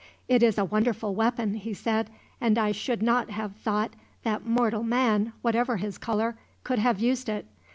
"It is a wonderful weapon," he said, "and I should not have thought that mortal man, whatever his color, could have used it.